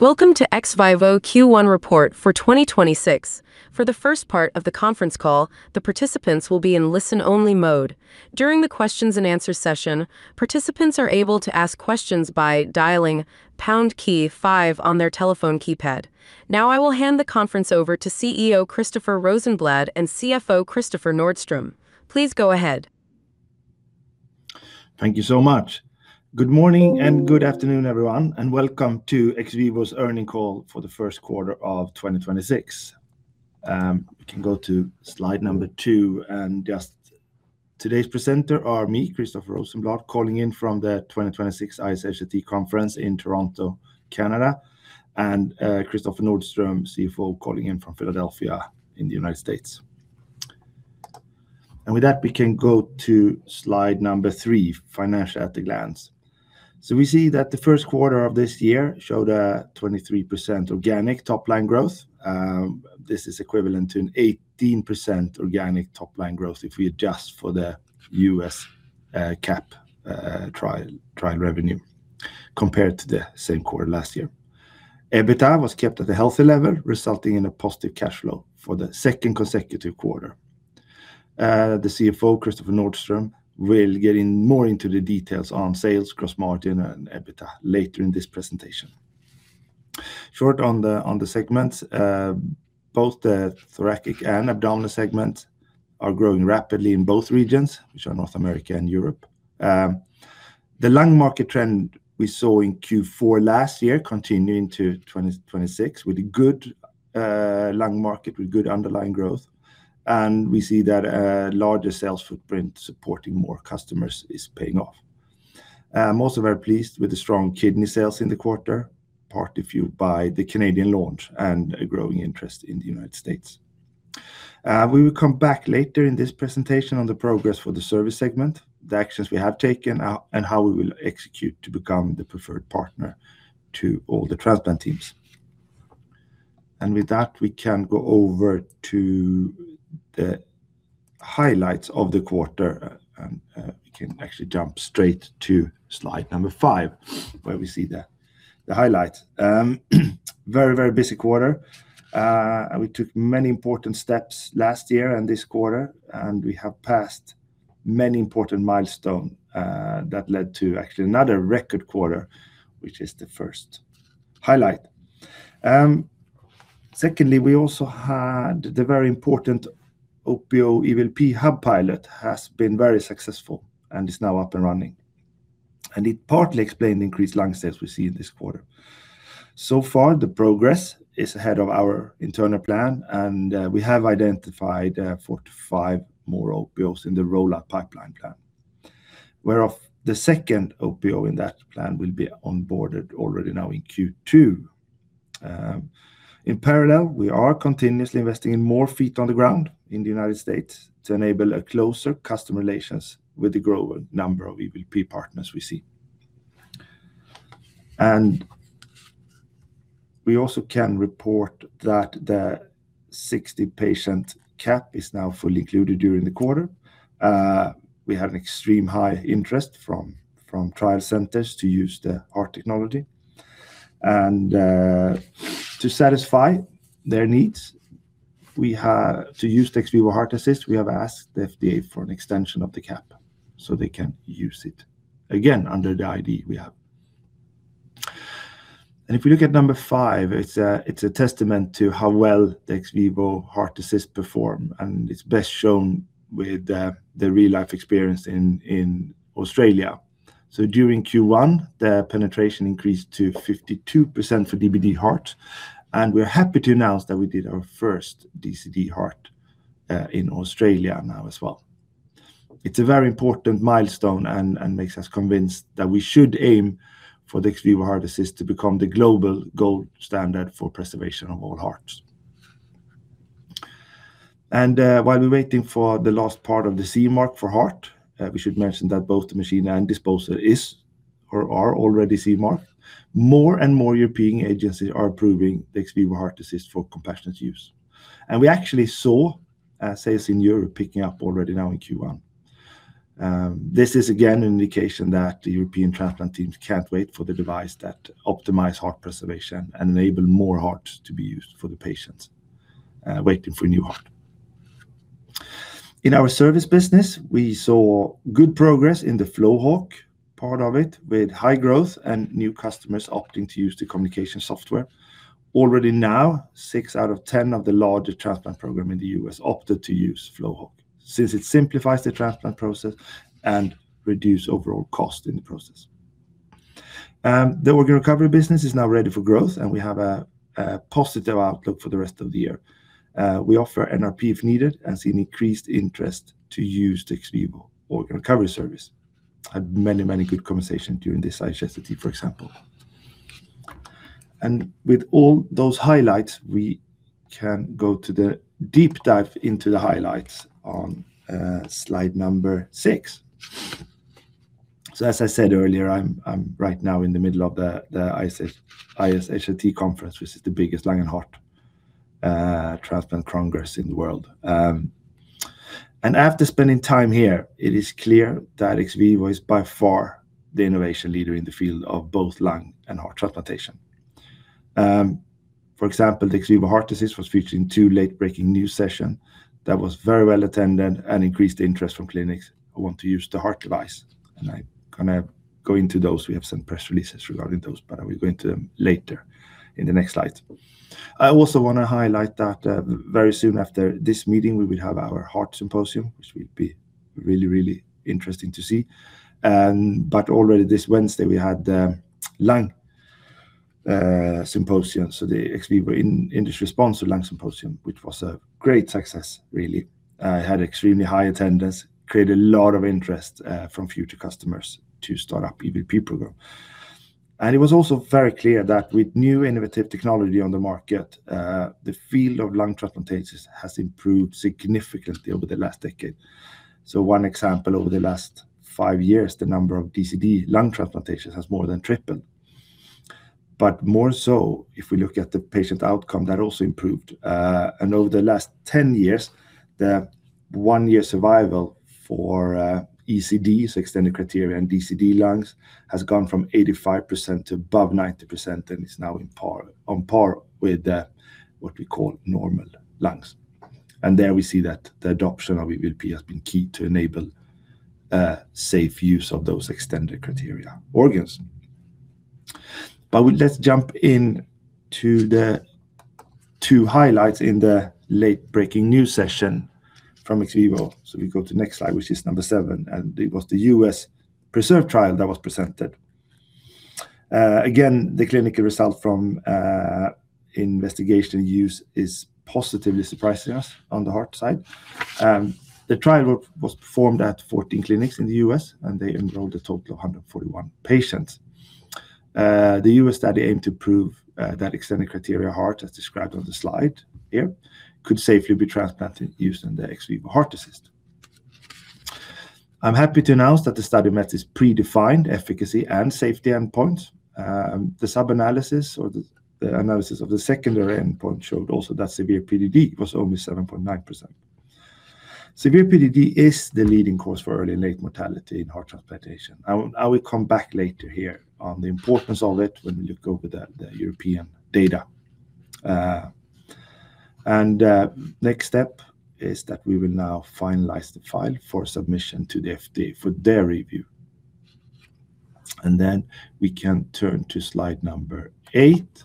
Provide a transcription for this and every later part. Welcome to XVIVO Q1 report for 2026. For the first part of the conference call, the participants will be in listen-only mode. During the questions and answers session, participants are able to ask questions by dialing #5 on their telephone keypad. Now I will hand the conference over to CEO Christoffer Rosenblad and CFO Kristoffer Nordström. Please go ahead. Thank you so much. Good morning and good afternoon, everyone, and welcome to XVIVO's earnings call for the first quarter of 2026. We can go to slide two, and just today's presenters are me, Christoffer Rosenblad, calling in from the 2026 ISHLT Conference in Toronto, Canada, and Kristoffer Nordström, CFO, calling in from Philadelphia in the United States. With that, we can go to slide three, financial at a glance. We see that the first quarter of this year showed a 23% organic top-line growth. This is equivalent to an 18% organic top-line growth if we adjust for the US CAP trial revenue compared to the same quarter last year. EBITDA was kept at a healthy level, resulting in a positive cash flow for the second consecutive quarter. The CFO, Kristoffer Nordström, will get more into the details on sales, gross margin, and EBITDA later in this presentation. Short on the segments. Both the thoracic and abdominal segments are growing rapidly in both regions, which are North America and Europe. The lung market trend we saw in Q4 last year continued into 2026 with a good lung market with good underlying growth. We see that a larger sales footprint supporting more customers is paying off. I'm also very pleased with the strong kidney sales in the quarter, partly fueled by the Canadian launch and a growing interest in the United States. We will come back later in this presentation on the progress for the service segment, the actions we have taken, and how we will execute to become the preferred partner to all the transplant teams. With that, we can go over to the highlights of the quarter. We can actually jump straight to slide number 5, where we see the highlights. Very, very busy quarter. We took many important steps last year and this quarter, and we have passed many important milestones that led to actually another record quarter, which is the first highlight. Secondly, we also had the very important OPO EVLP hub pilot has been very successful and is now up and running. It partly explained the increased lung sales we see in this quarter. So far, the progress is ahead of our internal plan, and we have identified 4-5 more OPOs in the rollout pipeline plan, where the second OPO in that plan will be onboarded already now in Q2. In parallel, we are continuously investing in more feet on the ground in the United States to enable a closer customer relations with the growing number of EVLP partners we see. We also can report that the 60-patient CAP is now fully included during the quarter. We had an extreme high interest from trial centers to use the heart technology. To satisfy their needs to use the XVIVO Heart Assist, we have asked the FDA for an extension of the CAP so they can use it, again, under the IDE we have. If we look at number five, it's a testament to how well the XVIVO Heart Assist perform, and it's best shown with the real-life experience in Australia. During Q1, the penetration increased to 52% for DBD heart, and we're happy to announce that we did our first DCD heart in Australia now as well. It's a very important milestone and makes us convinced that we should aim for the XVIVO Heart Assist to become the global gold standard for preservation of all hearts. While we're waiting for the last part of the CE mark for heart, we should mention that both the machine and disposables are already CE marked. More and more European agencies are approving the XVIVO Heart Assist for compassionate use. We actually saw sales in Europe picking up already now in Q1. This is again an indication that the European transplant teams can't wait for the device that optimize heart preservation and enable more hearts to be used for the patients waiting for a new heart. In our service business, we saw good progress in the FlowHawk part of it, with high growth and new customers opting to use the communication software. Already now, six out of ten of the largest transplant programs in the U.S. have opted to use FlowHawk since it simplifies the transplant process and reduces overall costs in the process. The organ recovery business is now ready for growth, and we have a positive outlook for the rest of the year. We offer NRP if needed and see an increased interest to use the XVIVO organ recovery service. We had many, many good conversations during this ISHLT, for example. With all those highlights, we can go to the deep dive into the highlights on slide number six. As I said earlier, I'm right now in the middle of the ISHLT conference, which is the biggest lung and heart transplant congress in the world. After spending time here, it is clear that XVIVO is by far the innovation leader in the field of both lung and heart transplantation. For example, the XVIVO heart device was featured in two late-breaking news sessions that was very well attended and increased the interest from clinics who want to use the heart device. I go into those. We have some press releases regarding those, but I will go into them later in the next slide. I also want to highlight that very soon after this meeting, we will have our heart symposium, which will be really interesting to see. Already this Wednesday, we had the lung symposium. The XVIVO, industry-sponsored lung symposium, which was a great success, really, had extremely high attendance, created a lot of interest from future customers to start up EVLP program. It was also very clear that with new innovative technology on the market, the field of lung transplantations has improved significantly over the last decade. One example, over the last 5 years, the number of DCD lung transplantations has more than tripled. More so, if we look at the patient outcome, that also improved. Over the last 10 years, the one-year survival for ECDs, extended criteria and DCD lungs, has gone from 85% to above 90% and is now on par with what we call normal lungs. There we see that the adoption of EVLP has been key to enable safe use of those extended criteria organs. Let's jump in to the two highlights in the late-breaking news session from XVIVO. We go to next slide, which is number seven, and it was the U.S. PRESERVE trial that was presented. Again, the clinical result from investigational use is positively surprising us on the heart side. The trial was performed at 14 clinics in the U.S., and they enrolled a total of 141 patients. The U.S. study aimed to prove that extended criteria heart, as described on the slide here, could safely be transplanted using the XVIVO Heart Assist. I'm happy to announce that the study met its predefined efficacy and safety endpoint. The sub-analysis or the analysis of the secondary endpoint showed also that severe PGD was only 7.9%. Severe PGD is the leading cause for early and late mortality in heart transplantation. I will come back later here on the importance of it when we look over the European data. Next step is that we will now finalize the file for submission to the FDA for their review. We can turn to slide number eight,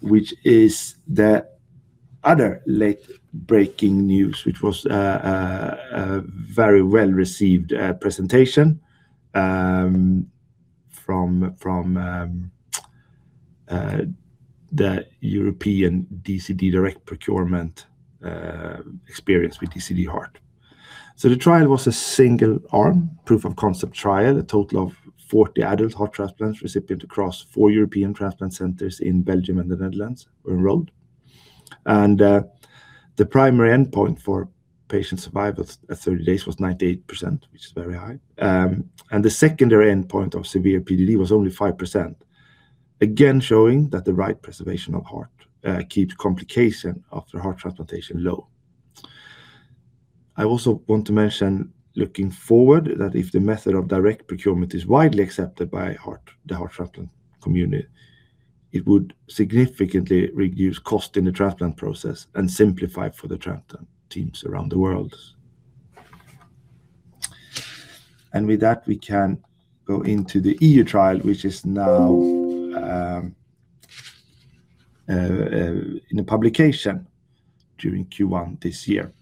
which is the other late-breaking news, which was a very well-received presentation from the European DCD direct procurement experience with DCD heart. The trial was a single-arm proof of concept trial. A total of 40 adult heart transplant recipients across four European transplant centers in Belgium and the Netherlands were enrolled. The primary endpoint for patient survival at 30 days was 98%, which is very high. The secondary endpoint of severe PGD was only 5%, again, showing that the right preservation of heart keeps complications after heart transplantation low. I also want to mention looking forward that if the method of direct procurement is widely accepted by the heart transplant community, it would significantly reduce costs in the transplant process and simplify for the transplant teams around the world. With that, we can go into the EU trial, which is now in a publication during Q1 this year.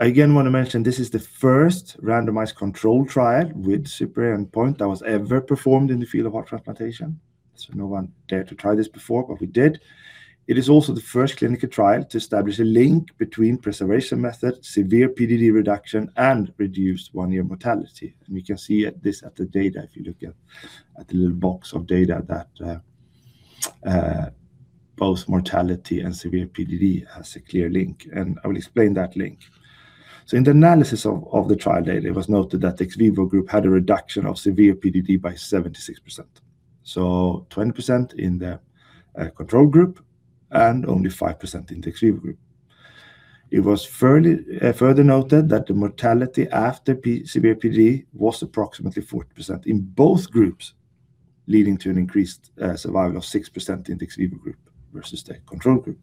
I again want to mention this is the first randomized control trial with superior endpoint that was ever performed in the field of heart transplantation. No one dared to try this before, but we did. It is also the first clinical trial to establish a link between preservation method, severe PGD reduction, and reduced one-year mortality. We can see this at the data if you look at the little box of data that both mortality and severe PGD has a clear link, and I will explain that link. In the analysis of the trial data, it was noted that XVIVO group had a reduction of severe PGD by 76%. 20% in the control group and only 5% in the XVIVO group. It was further noted that the mortality after severe PGD was approximately 40% in both groups, leading to an increased survival of 6% in the XVIVO group versus the control group.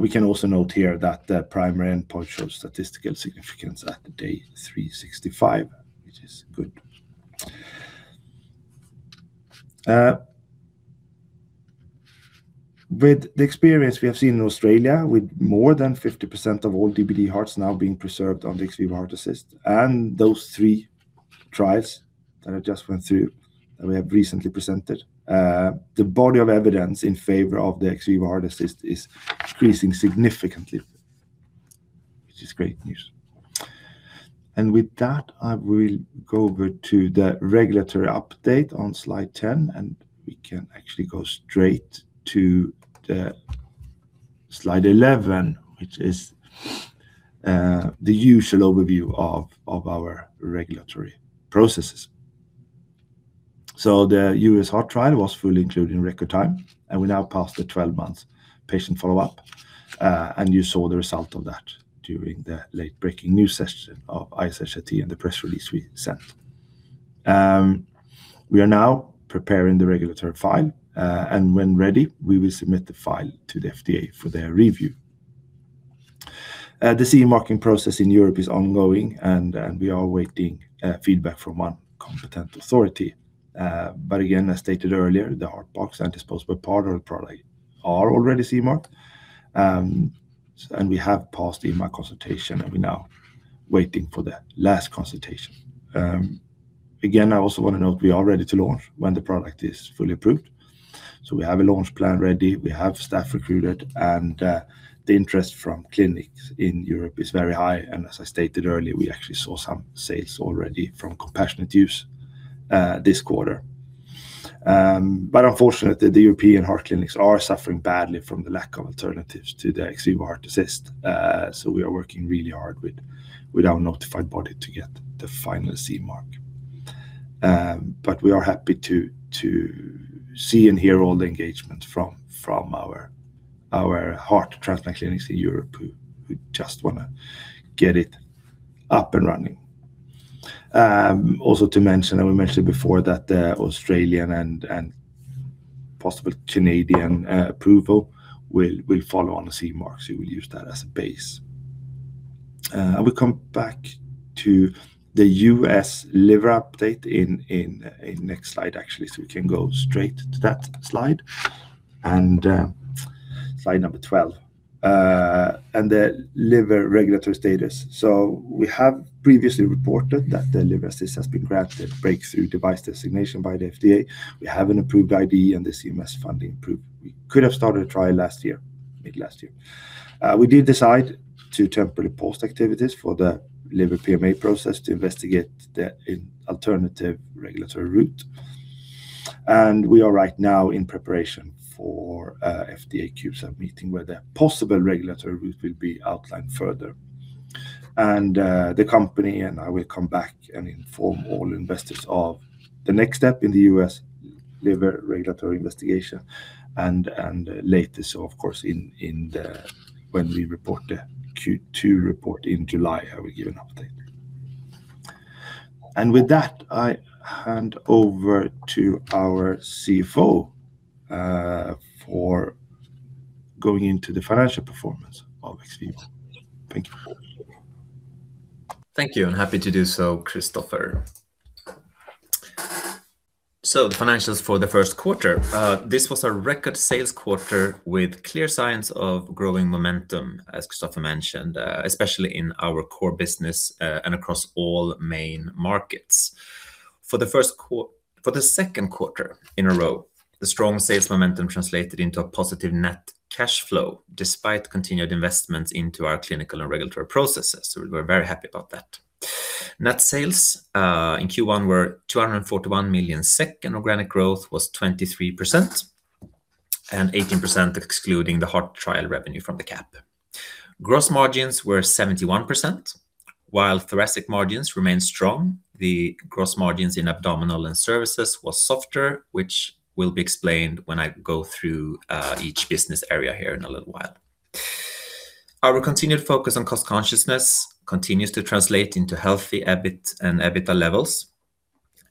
We can also note here that the primary endpoint showed statistical significance at day 365, which is good. With the experience we have seen in Australia, with more than 50% of all DBD hearts now being preserved on the XVIVO Heart Assist, and those three trials that I just went through that we have recently presented, the body of evidence in favor of the XVIVO Heart Assist is increasing significantly, which is great news. With that, I will go over to the regulatory update on slide 10, and we can actually go straight to the slide 11, which is the usual overview of our regulatory processes. The US heart trial was fully included in record time, and we now passed the 12-month patient follow-up. You saw the result of that during the late breaking news session of ISHLT and the press release we sent. We are now preparing the regulatory file. When ready, we will submit the file to the FDA for their review. The CE marking process in Europe is ongoing, and we are awaiting feedback from one competent authority. Again, as stated earlier, the HeartBox and disposable part of the product are already CE marked. We have passed the EMA consultation, and we're now waiting for the last consultation. Again, I also want to note we are ready to launch when the product is fully approved. We have a launch plan ready, we have staff recruited, and the interest from clinics in Europe is very high. as I stated earlier, we actually saw some sales already from compassionate use this quarter. Unfortunately, the European heart clinics are suffering badly from the lack of alternatives to the XVIVO Heart Assist. We are working really hard with our notified body to get the final CE mark. We are happy to see and hear all the engagement from our heart transplant clinics in Europe who just want to get it up and running. Also to mention, and we mentioned before that the Australian and possible Canadian approval will follow on the CE marks. We will use that as a base. I will come back to the U.S. liver update in the next slide, actually. We can go straight to that slide. Slide number 12, and the liver regulatory status. We have previously reported that the Liver Assist has been granted breakthrough device designation by the FDA. We have an approved IDE and the CMS funding approved. We could have started a trial last year, mid last year. We did decide to temporarily pause activities for the Liver Assist PMA process to investigate the alternative regulatory route. We are right now in preparation for a FDA Q-Sub meeting where the possible regulatory route will be outlined further. The company and I will come back and inform all investors of the next step in the U.S. Liver Assist regulatory investigation and later, so of course when we report the Q2 report in July, I will give an update. With that, I hand over to our CFO for going into the financial performance of XVIVO. Thank you. Thank you, and happy to do so, Christoffer. The financials for the first quarter. This was a record sales quarter with clear signs of growing momentum, as Christoffer mentioned, especially in our core business and across all main markets. For the second quarter in a row, the strong sales momentum translated into a positive net cash flow, despite continued investments into our clinical and regulatory processes. We're very happy about that. Net sales in Q1 were 241 million, and organic growth was 23%, and 18% excluding the heart trial revenue from the CAP. Gross margins were 71%. While Thoracic margins remained strong, the gross margins in Abdominal and Services was softer, which will be explained when I go through each business area here in a little while. Our continued focus on cost consciousness continues to translate into healthy EBIT and EBITDA levels.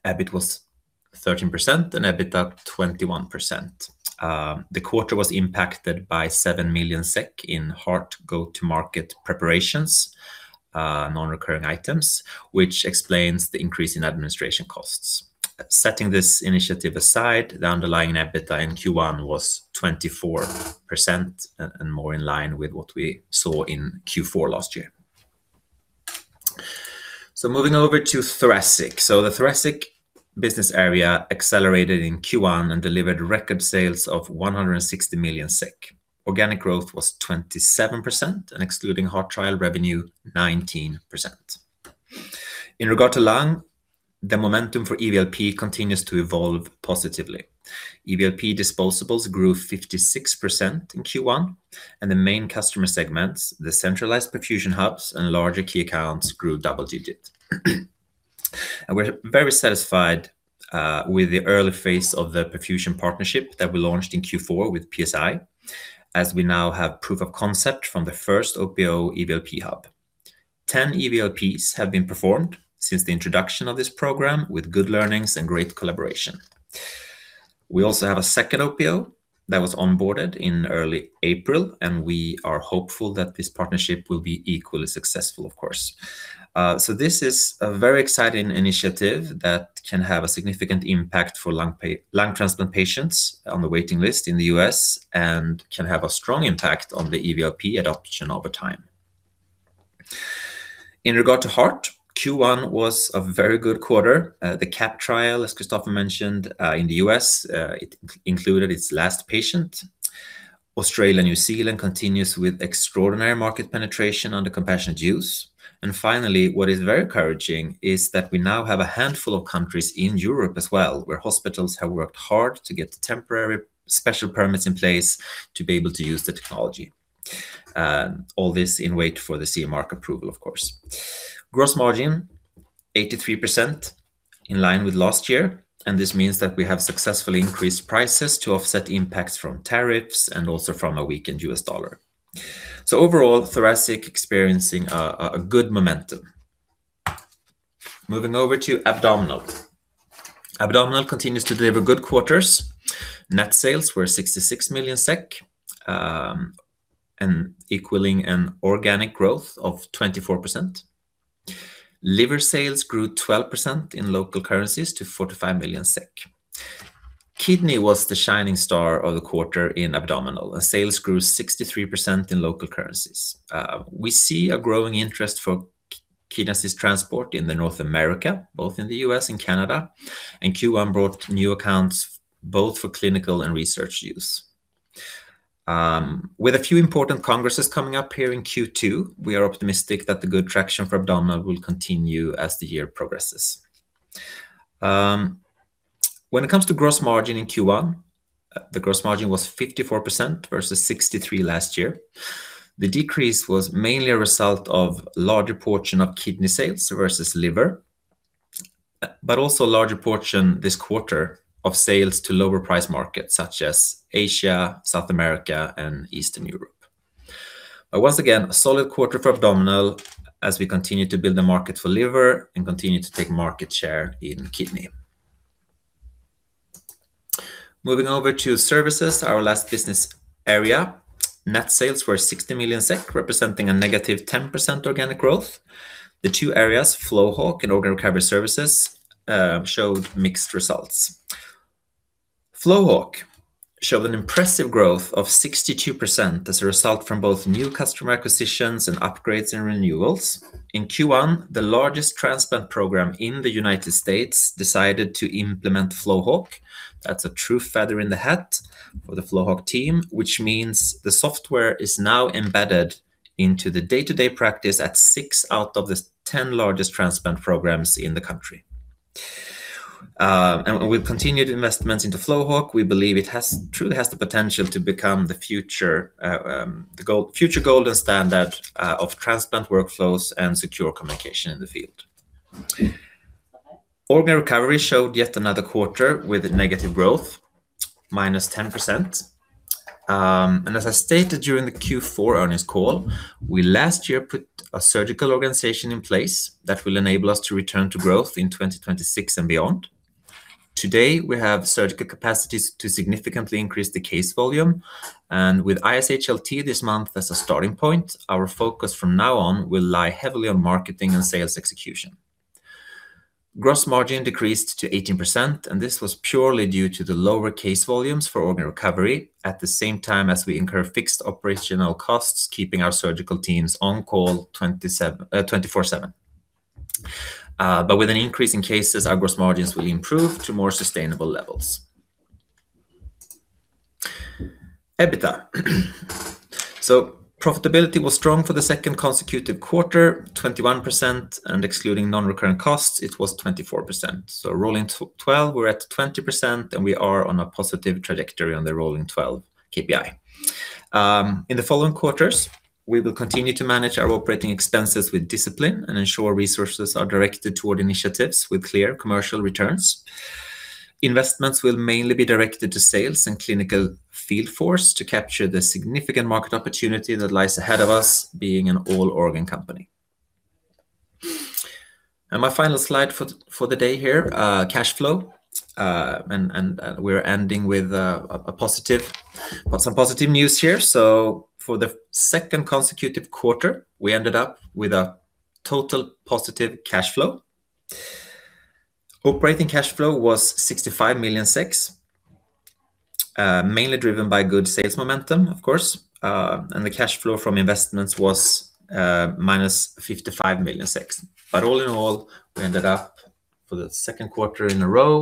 EBIT was 13% and EBITDA 21%. The quarter was impacted by 7 million SEK in heart go-to-market preparations, non-recurring items, which explains the increase in administration costs. Setting this initiative aside, the underlying EBITDA in Q1 was 24% and more in line with what we saw in Q4 last year. Moving over to Thoracic. The Thoracic business area accelerated in Q1 and delivered record sales of 160 million SEK. Organic growth was 27%, and excluding heart trial revenue, 19%. In regard to lung, the momentum for EVLP continues to evolve positively. EVLP disposables grew 56% in Q1, and the main customer segments, the centralized perfusion hubs and larger key accounts grew double digit. We're very satisfied with the early phase of the perfusion partnership that we launched in Q4 with PSI, as we now have proof of concept from the first OPO EVLP hub. 10 EVLPs have been performed since the introduction of this program with good learnings and great collaboration. We also have a second OPO that was onboarded in early April, and we are hopeful that this partnership will be equally successful, of course. This is a very exciting initiative that can have a significant impact for lung transplant patients on the waiting list in the U.S. and can have a strong impact on the EVLP adoption over time. In regard to heart, Q1 was a very good quarter. The CAP trial, as Christoffer mentioned, in the U.S., it included its last patient. Australia, New Zealand continues with extraordinary market penetration under compassionate use. Finally, what is very encouraging is that we now have a handful of countries in Europe as well, where hospitals have worked hard to get the temporary special permits in place to be able to use the technology. All this in wait for the CE mark approval, of course. Gross margin, 83% in line with last year, and this means that we have successfully increased prices to offset impacts from tariffs and also from a weakened US dollar. Overall, thoracic experiencing a good momentum. Moving over to abdominal. Abdominal continues to deliver good quarters. Net sales were 66 million SEK, equaling an organic growth of 24%. Liver sales grew 12% in local currencies to 45 million SEK. Kidney was the shining star of the quarter in abdominal. Sales grew 63% in local currencies. We see a growing interest for Kidney Assist Transport in North America, both in the U.S. and Canada, and Q1 brought new accounts both for clinical and research use. With a few important congresses coming up here in Q2, we are optimistic that the good traction for abdominal will continue as the year progresses. When it comes to gross margin in Q1, the gross margin was 54% versus 63% last year. The decrease was mainly a result of larger portion of kidney sales versus liver, but also a larger portion this quarter of sales to lower price markets such as Asia, South America, and Eastern Europe. Once again, a solid quarter for abdominal as we continue to build the market for liver and continue to take market share in kidney. Moving over to services, our last business area. Net sales were 60 million SEK, representing a negative 10% organic growth. The two areas, FlowHawk and organ recovery services, showed mixed results. FlowHawk showed an impressive growth of 62% as a result from both new customer acquisitions and upgrades and renewals. In Q1, the largest transplant program in the United States decided to implement FlowHawk. That's a true feather in the hat for the FlowHawk team, which means the software is now embedded into the day-to-day practice at six out of the 10 largest transplant programs in the country. With continued investments into FlowHawk, we believe it truly has the potential to become the future golden standard of transplant workflows and secure communication in the field. Organ recovery showed yet another quarter with negative growth, minus 10%. As I stated during the Q4 earnings call, we last year put a surgical organization in place that will enable us to return to growth in 2026 and beyond. Today, we have surgical capacities to significantly increase the case volume. With ISHLT this month as a starting point, our focus from now on will lie heavily on marketing and sales execution. Gross margin decreased to 18%, and this was purely due to the lower case volumes for organ recovery, at the same time as we incur fixed operational costs, keeping our surgical teams on call 24/7. With an increase in cases, our gross margins will improve to more sustainable levels. EBITDA. Profitability was strong for the second consecutive quarter, 21%, and excluding non-recurrent costs, it was 24%. Rolling 12, we're at 20%, and we are on a positive trajectory on the rolling 12 KPI. In the following quarters, we will continue to manage our operating expenses with discipline and ensure resources are directed toward initiatives with clear commercial returns. Investments will mainly be directed to sales and clinical field force to capture the significant market opportunity that lies ahead of us being an all-organ company. My final slide for the day here, cash flow. We're ending with some positive news here. For the second consecutive quarter, we ended up with a total positive cash flow. Operating cash flow was 65 million, mainly driven by good sales momentum, of course, and the cash flow from investments was -55 million. All in all, we ended up for the second quarter in a row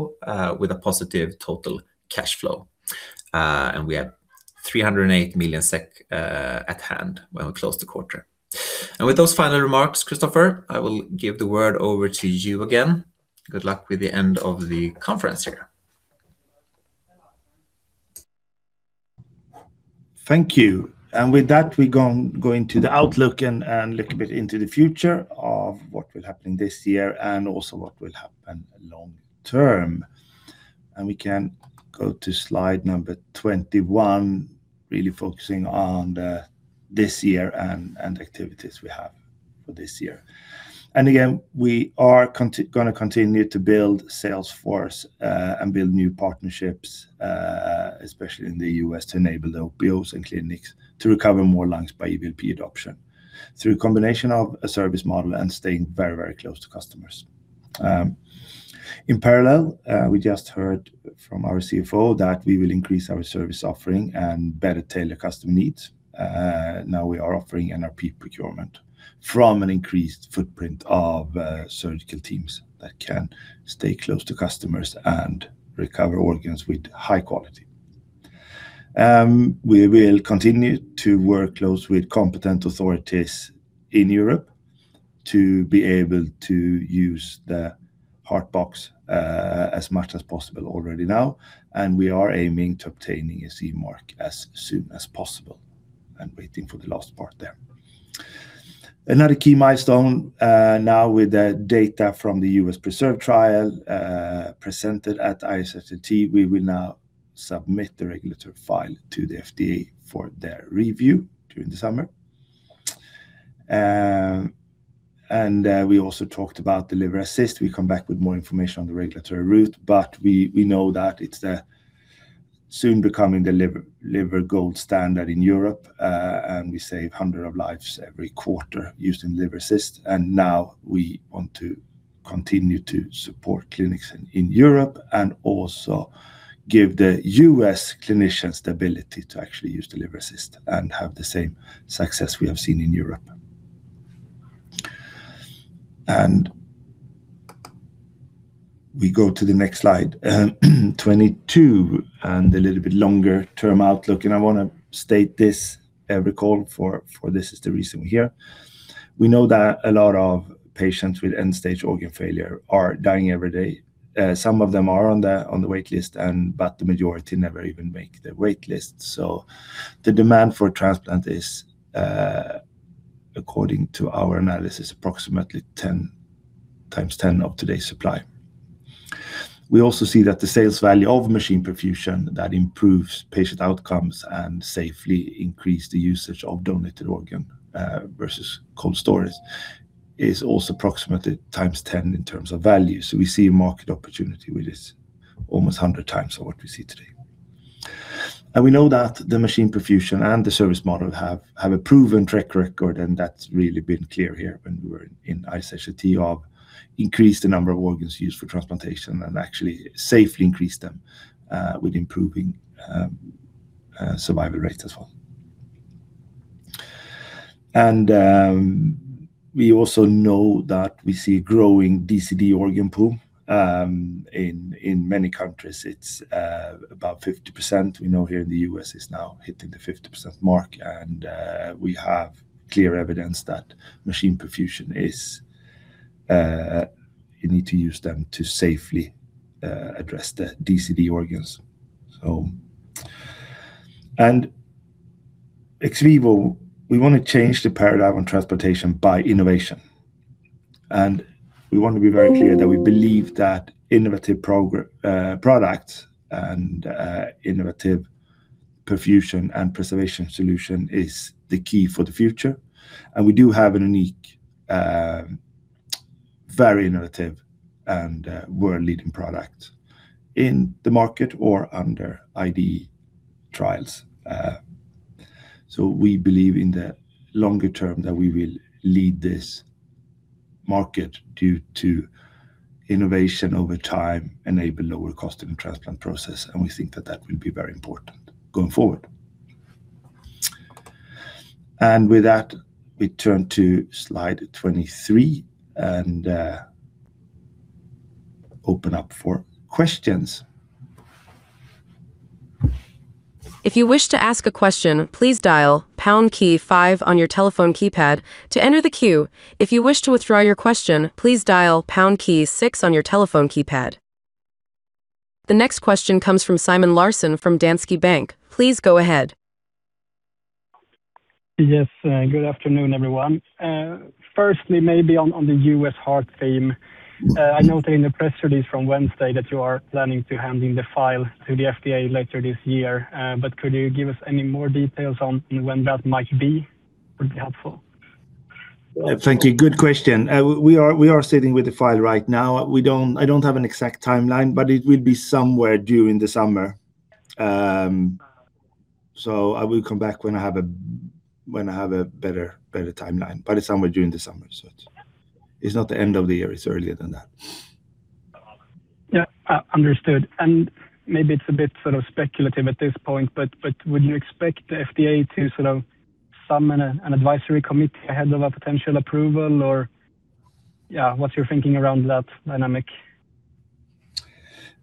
with a positive total cash flow. We had 308 million SEK at hand when we closed the quarter. With those final remarks, Christoffer, I will give the word over to you again. Good luck with the end of the conference here. Thank you. With that, we go into the outlook and little bit into the future of what will happen this year and also what will happen long term. We can go to slide number 21, really focusing on this year and activities we have for this year. Again, we are going to continue to build sales force, and build new partnerships, especially in the U.S., to enable the OPOs and clinics to recover more lungs by EVLP adoption through combination of a service model and staying very close to customers. In parallel, we just heard from our CFO that we will increase our service offering and better tailor customer needs. Now we are offering NRP procurement from an increased footprint of surgical teams that can stay close to customers and recover organs with high quality. We will continue to work closely with competent authorities in Europe to be able to use the Heart Box as much as possible already now, and we are aiming to obtain a CE mark as soon as possible and waiting for the last part there. Another key milestone, now with the data from the U.S. PRESERVE trial presented at ISHLT, we will now submit the regulatory file to the FDA for their review during the summer. We also talked about the Liver Assist. We come back with more information on the regulatory route, but we know that it's soon becoming the liver gold standard in Europe, and we save hundreds of lives every quarter using Liver Assist. Now we want to continue to support clinics in Europe and also give the U.S. clinicians the ability to actually use the Liver Assist and have the same success we have seen in Europe. We go to the next slide 22, and a little bit longer-term outlook, and I want to state this every call, for this is the reason we're here. We know that a lot of patients with end-stage organ failure are dying every day. Some of them are on the wait list, but the majority never even make the wait list. The demand for transplant is, according to our analysis, approximately 10 x 10 of today's supply. We also see that the sales value of machine perfusion that improves patient outcomes and safely increase the usage of donated organ, versus cold storage, is also approximately times 10 in terms of value. We see a market opportunity with this almost 100x of what we see today. We know that the machine perfusion and the service model have a proven track record, and that's really been clear here when we were in ISHLT on increasing the number of organs used for transplantation and actually safely increase them, with improving survival rate as well. We also know that we see growing DCD organ pool. In many countries it's about 50%. We know here in the U.S. it's now hitting the 50% mark, and we have clear evidence that machine perfusion is. You need to use them to safely address the DCD organs. XVIVO, we want to change the paradigm on transplantation by innovation. We want to be very clear that we believe that innovative products and innovative perfusion and preservation solution is the key for the future. We do have a unique, very innovative and world-leading product in the market or under IDE trials. We believe in the longer term that we will lead this market due to innovation over time, enable lower cost in the transplant process, and we think that that will be very important going forward. With that, we turn to slide 23 and open up for questions. The next question comes from Simon Larsson from Danske Bank. Please go ahead. Yes. Good afternoon, everyone. Firstly, maybe on the U.S. heart theme. I noted in the press release from Wednesday that you are planning to hand in the file to the FDA later this year. Could you give us any more details on when that might be? Would be helpful. Thank you. Good question. We are sitting with the file right now. I don't have an exact timeline, but it will be somewhere during the summer. I will come back when I have a better timeline, but it's somewhere during the summer. It's not the end of the year, it's earlier than that. Yeah. Understood. Maybe it's a bit speculative at this point, but would you expect the FDA to summon an advisory committee ahead of a potential approval or yeah, what's your thinking around that dynamic?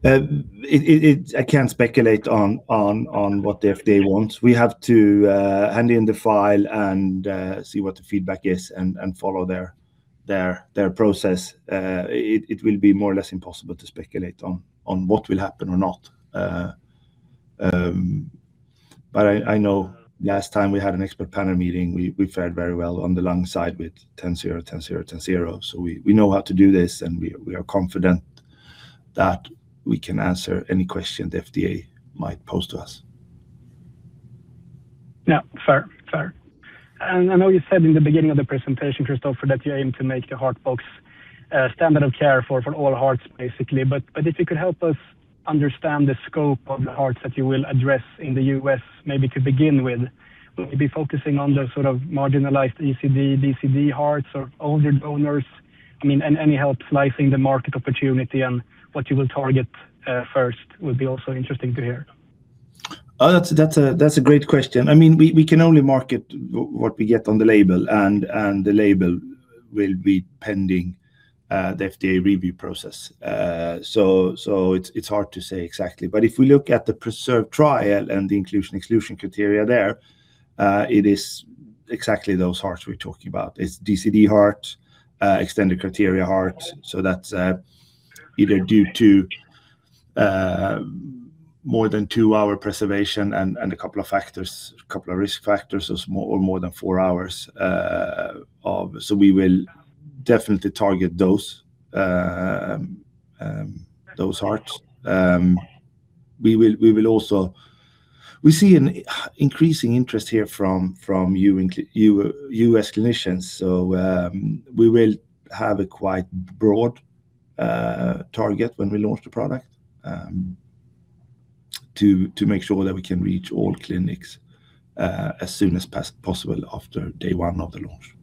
I can't speculate on what the FDA wants. We have to hand in the file and see what the feedback is and follow their process. It will be more or less impossible to speculate on what will happen or not. I know last time we had an expert panel meeting, we fared very well on the lung side with 10, 0, 10, 0, 10, 0. We know how to do this, and we are confident that we can answer any question the FDA might pose to us. Yeah, fair. I know you said in the beginning of the presentation, Christoffer, that you aim to make the Heart Box a standard of care for all hearts, basically. If you could help us understand the scope of the hearts that you will address in the U.S. maybe to begin with. Will you be focusing on the sort of marginalized ECD, DCD hearts, or older donors? Any help slicing the market opportunity and what you will target first will be also interesting to hear. That's a great question. We can only market what we get on the label, and the label will be pending the FDA review process. It's hard to say exactly. If we look at the PRESERVE trial and the inclusion, exclusion criteria there, it is exactly those hearts we're talking about. It's DCD heart, extended criteria hearts, so that's either due to more than 2-hour preservation and a couple of risk factors or more than 4 hours of. We will definitely target those hearts. We see an increasing interest here from U.S. clinicians. We will have a quite broad target when we launch the product to make sure that we can reach all clinics as soon as possible after day one of the launch.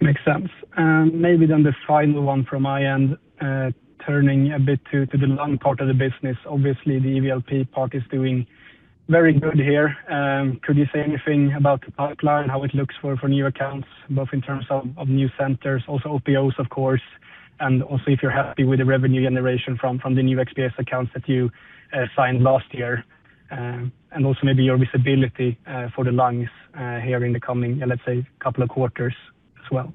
Makes sense. Maybe then the final one from my end, turning a bit to the lung part of the business. Obviously, the EVLP part is doing very good here. Could you say anything about the pipeline, how it looks for new accounts, both in terms of new centers, also OPOs, of course, and also if you're happy with the revenue generation from the new XPS accounts that you signed last year? Maybe your visibility for the lungs here in the coming, let's say, couple of quarters as well.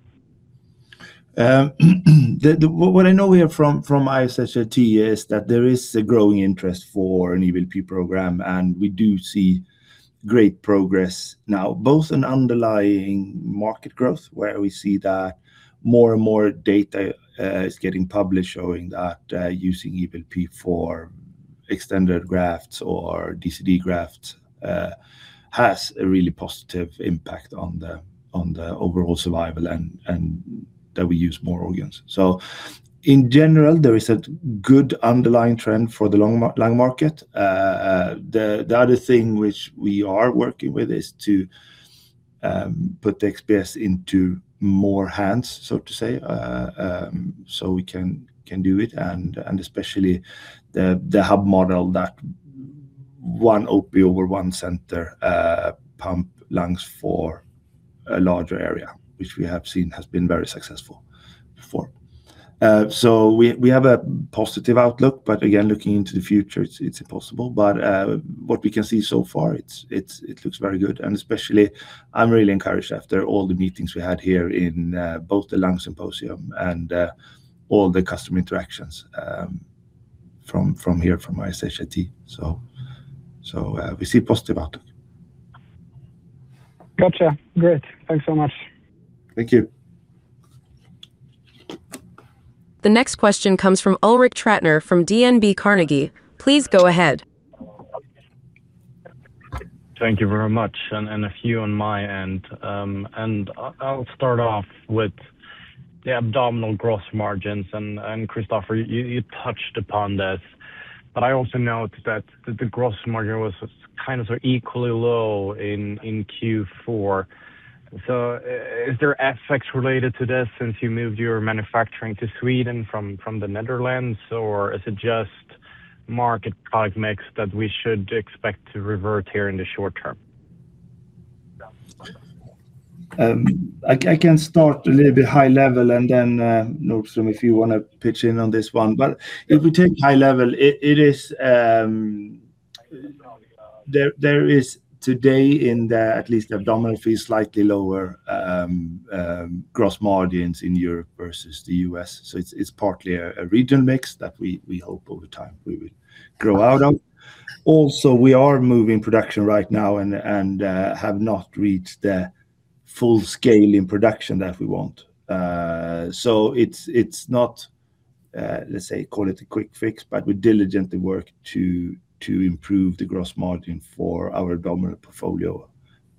What I know here from ISHLT is that there is a growing interest for an EVLP program, and we do see great progress now, both in underlying market growth, where we see that more and more data is getting published showing that using EVLP for extended grafts or DCD grafts has a really positive impact on the overall survival and that we use more organs. In general, there is a good underlying trend for the lung market. The other thing which we are working with is to put the XPS into more hands, so to say, so we can do it, and especially the hub model that one OPO or one center pumps lungs for a larger area, which we have seen has been very successful before. We have a positive outlook, but again, looking into the future, it's impossible. What we can see so far, it looks very good. Especially, I'm really encouraged after all the meetings we had here in both the lung symposium and all the customer interactions from here, from ISHLT. We see positive outlook. Got you. Great. Thanks so much. Thank you. The next question comes from Ulrik Trattner from DNB Carnegie. Please go ahead. Thank you very much. A few on my end, and I'll start off with the abdominal growth margins. Kristoffer, you touched upon this, but I also noticed that the gross margin was kind of equally low in Q4. Is there effects related to this since you moved your manufacturing to Sweden from the Netherlands? Is it just market product mix that we should expect to revert here in the short term? I can start a little bit high level and then, Nordström, if you want to pitch in on this one. If we take high level, there is today in the abdominal field slightly lower gross margins in Europe versus the U.S. It's partly a regional mix that we hope over time we will grow out of. Also, we are moving production right now and have not reached the full scale in production that we want. It's not, let's say, call it a quick fix, but we diligently work to improve the gross margin for our abdominal portfolio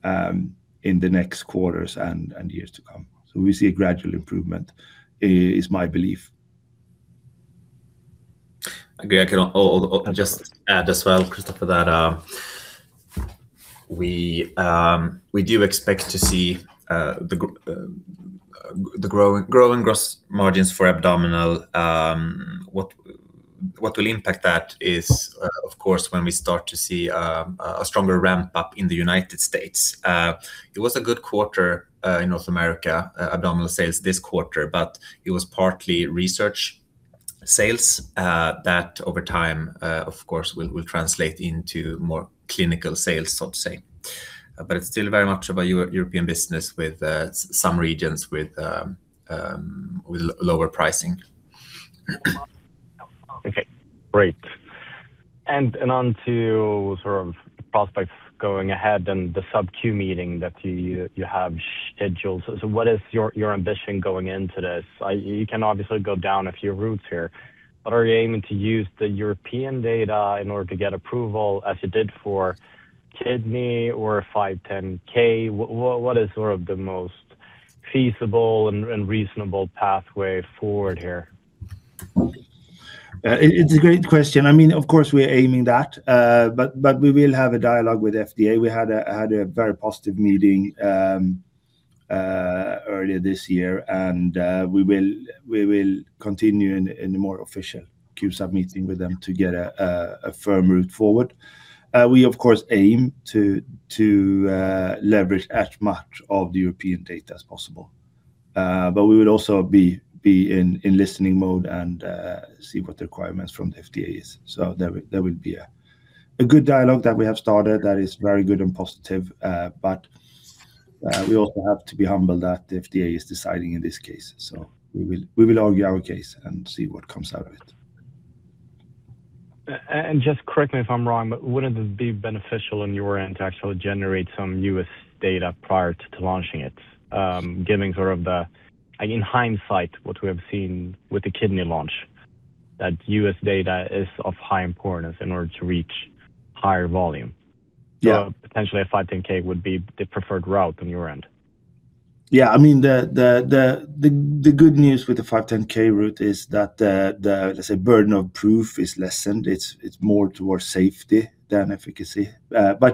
in the next quarters and years to come. We see a gradual improvement, is my belief. I can just add as well, Christoffer, that we do expect to see the growing gross margins for abdominal. What will impact that is, of course, when we start to see a stronger ramp-up in the United States. It was a good quarter in North America, abdominal sales this quarter, but it was partly research sales, that over time, of course, will translate into more clinical sales, so to say. It's still very much of a European business with some regions with lower pricing. Okay, great. On to sort of prospects going ahead and the Q-Sub meeting that you have scheduled. What is your ambition going into this? You can obviously go down a few routes here. Are you aiming to use the European data in order to get approval as you did for kidney or 510(k)? What is sort of the most feasible and reasonable pathway forward here? It's a great question. I mean, of course, we're aiming that, but we will have a dialogue with FDA. We had a very positive meeting earlier this year, and we will continue in a more official Q-Sub meeting with them to get a firm route forward. We, of course, aim to leverage as much of the European data as possible. We would also be in listening mode and see what the requirements from the FDA is. That would be a good dialogue that we have started that is very good and positive. We also have to be humble that the FDA is deciding in this case. We will argue our case and see what comes out of it. Just correct me if I'm wrong, but wouldn't it be beneficial on your end to actually generate some U.S. data prior to launching it? Given, in hindsight, what we have seen with the kidney launch, that U.S. data is of high importance in order to reach higher volume. Yeah. Potentially a 510(k) would be the preferred route on your end. Yeah. The good news with the 510(k) route is that the, let's say, burden of proof is lessened. It's more towards safety than efficacy.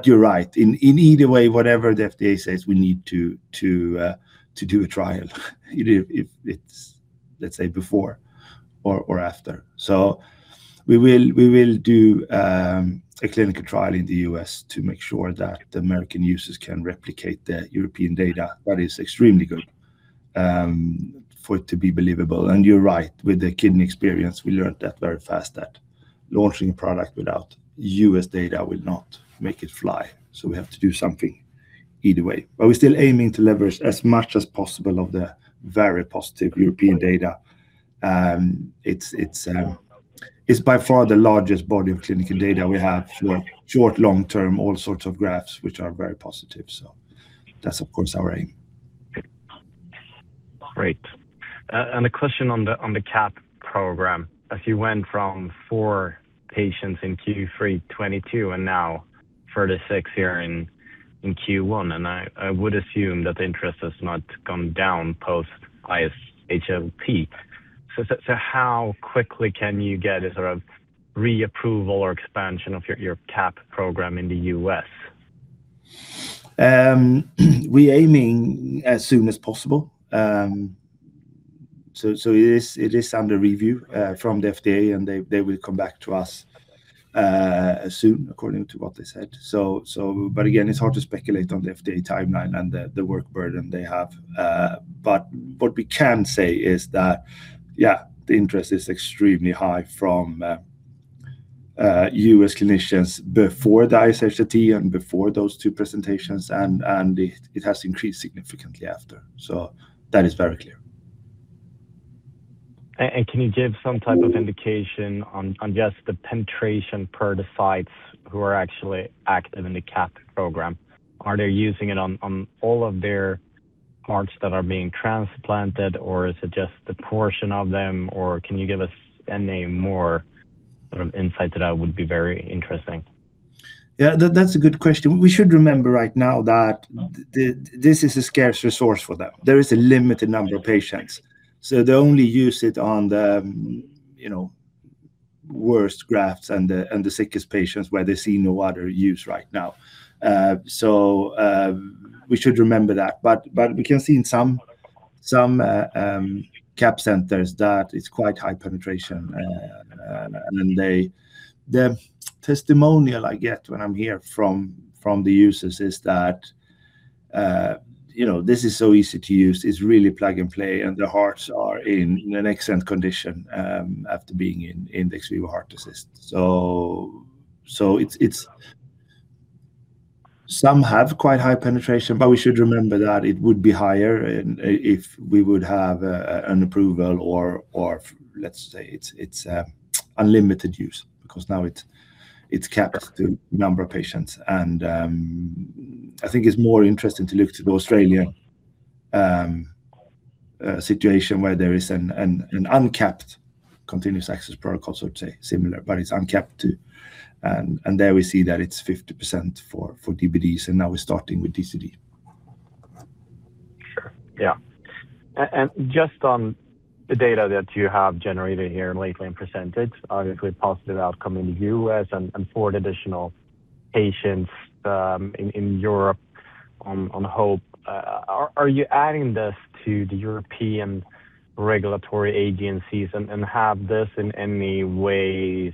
You're right. In either way, whatever the FDA says, we need to do a trial if it's, let's say, before or after. We will do a clinical trial in the U.S. to make sure that the American users can replicate the European data. That is extremely good for it to be believable. You're right, with the kidney experience, we learned that very fast, that launching a product without U.S. data will not make it fly. We have to do something either way. We're still aiming to leverage as much as possible of the very positive European data. It's by far the largest body of clinical data we have for short, long-term, all sorts of grafts, which are very positive. That's of course our aim. Great. A question on the CAP program, as you went from four patients in Q3 2022 and now 36 here in Q1, and I would assume that the interest has not come down post ISHLT. How quickly can you get a sort of re-approval or expansion of your CAP program in the U.S.? We're aiming as soon as possible. It is under review from the FDA, and they will come back to us soon, according to what they said. Again, it's hard to speculate on the FDA timeline and the work burden they have. What we can say is that, yeah, the interest is extremely high from U.S. clinicians before the ISHLT and before those two presentations, and it has increased significantly after. That is very clear. Can you give some type of indication on just the penetration per the sites who are actually active in the CAP program? Are they using it on all of their hearts that are being transplanted, or is it just a portion of them, or can you give us any more insight to that? That would be very interesting. Yeah, that's a good question. We should remember right now that this is a scarce resource for them. There is a limited number of patients, so they only use it on the worst grafts and the sickest patients where they see no other use right now. We should remember that. We can see in some CAP centers that it's quite high penetration. The testimonial I get when I'm here from the users is that this is so easy to use, it's really plug and play, and the hearts are in an excellent condition after being in the XVIVO Heart Assist. Some have quite high penetration, but we should remember that it would be higher if we would have an approval or, let's say, it's unlimited use, because now it's capped to number of patients. I think it's more interesting to look to the Australian situation where there is an uncapped continuous access protocol, so to say, similar, but it's uncapped too. There we see that it's 50% for DBDs, and now we're starting with DCD. Sure. Yeah. Just on the data that you have generated here lately and percentage, obviously a positive outcome in the U.S. and four additional patients in Europe on HOPE. Are you adding this to the European regulatory agencies and have this in any way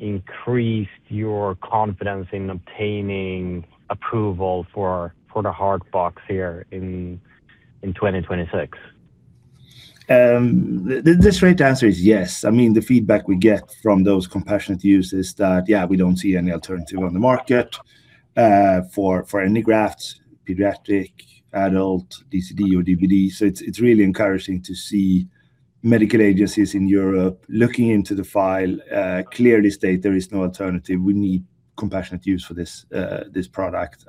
increased your confidence in obtaining approval for the Heart Box here in 2026? The straight answer is yes. The feedback we get from those compassionate use is that, yeah, we don't see any alternative on the market for any grafts, pediatric, adult, DCD or DBD. It's really encouraging to see medical agencies in Europe looking into the file, clearly state there is no alternative. We need compassionate use for this product.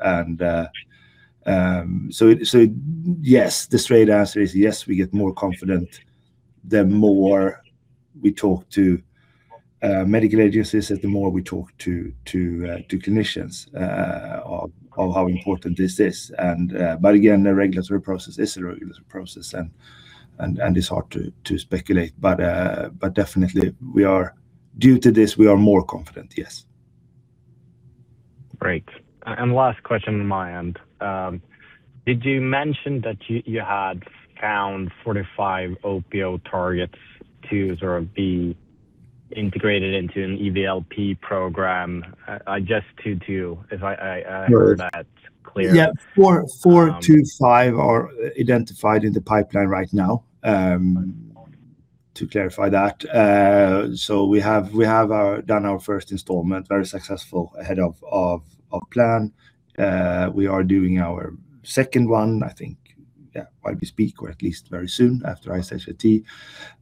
Yes, the straight answer is yes, we get more confident the more we talk to medical agencies and the more we talk to clinicians of how important this is. Again, the regulatory process is a regulatory process and it's hard to speculate. Definitely, due to this, we are more confident, yes. Great. Last question on my end. Did you mention that you had found 4-5 OPO targets to sort of be integrated into an EVLP program? If I heard that clearly. Yeah. 4-5 are identified in the pipeline right now. To clarify that, we have done our first installation, very successful ahead of plan. We are doing our second one, I think, yeah, while we speak or at least very soon after ISHLT.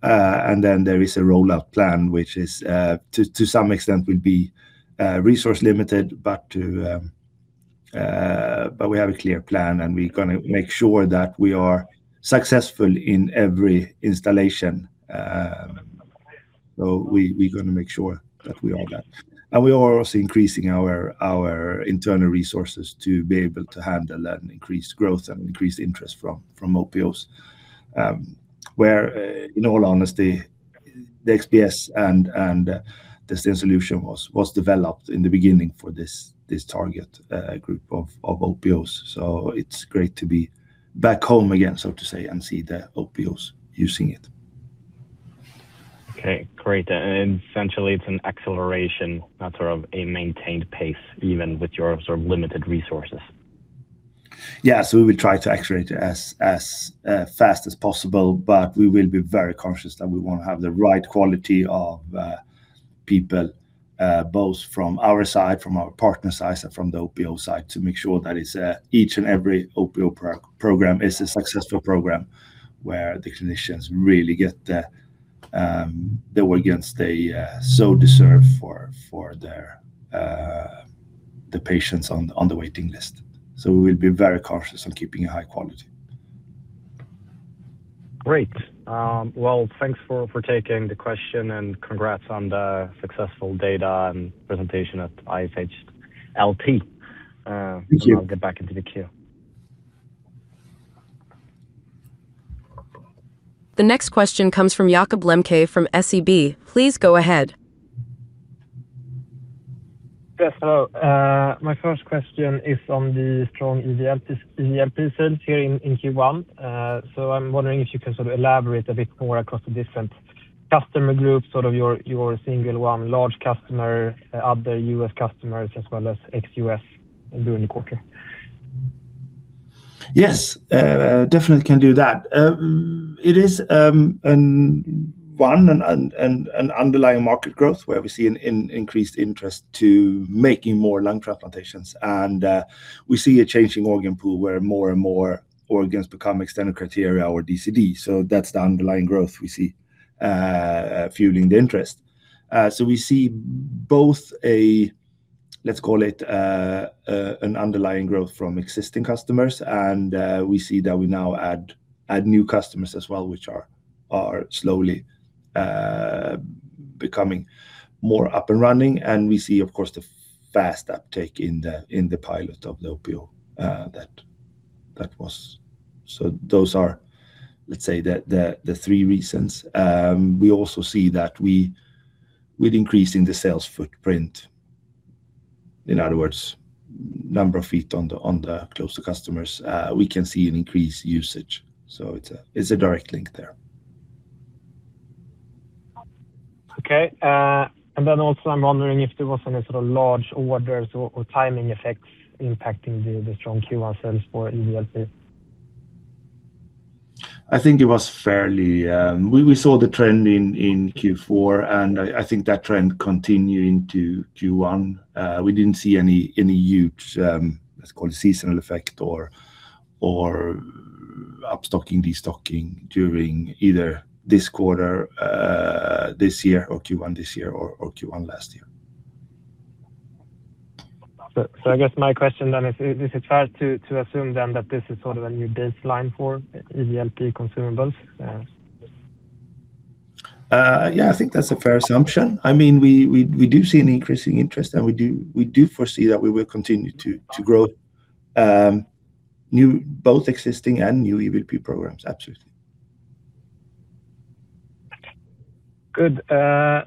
There is a rollout plan, which to some extent will be resource limited, but we have a clear plan and we're going to make sure that we are successful in every installation. We're going to make sure that we all get. We are also increasing our internal resources to be able to handle that increased growth and increased interest from OPOs, where, in all honesty, the XPS and the STEEN Solution was developed in the beginning for this target group of OPOs. It's great to be back home again, so to say, and see the OPOs using it. Okay, great. Essentially it's an acceleration, not sort of a maintained pace, even with your sort of limited resources. We will try to accelerate it as fast as possible, but we will be very conscious that we want to have the right quality of people, both from our side, from our partners' sides, and from the OPO side to make sure that each and every OPO program is a successful program, where the clinicians really get the organs they so deserve for the patients on the waiting list. We will be very cautious on keeping a high quality. Great. Well, thanks for taking the question and congrats on the successful data and presentation at ISHLT. Thank you. I'll get back into the queue. The next question comes from Jakob Lemke from SEB. Please go ahead. Yes, hello. My first question is on the strong EVLP sales here in Q1. I'm wondering if you can sort of elaborate a bit more across the different customer groups, sort of your single one large customer, other U.S. customers, as well as ex-U.S. during the quarter? Yes, definitely can do that. It is one, an underlying market growth where we see an increased interest to making more lung transplantations. We see a changing organ pool where more and more organs become extended criteria or DCD. That's the underlying growth we see fueling the interest. We see both a, let's call it an underlying growth from existing customers. We see that we now add new customers as well, which are slowly becoming more up and running. We see, of course, the fast uptake in the pilot of the OPO. Those are, let's say, the three reasons. We also see that with increase in the sales footprint, in other words, number of feet on the ground close to customers, we can see an increased usage. It's a direct link there. Okay. Also, I'm wondering if there was any sort of large orders or timing effects impacting the strong Q1 sales for EVLP? We saw the trend in Q4, and I think that trend continued into Q1. We didn't see any huge, let's call it seasonal effect or upstocking, destocking during either this quarter, this year or Q1 this year or Q1 last year. I guess my question then is it fair to assume then that this is sort of a new baseline for EVLP consumables? Yeah, I think that's a fair assumption. We do see an increasing interest and we do foresee that we will continue to grow both existing and new EVLP programs. Absolutely. Good. I